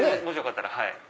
もしよかったら。